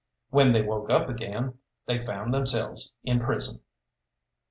When they woke up again, they found themselves in prison.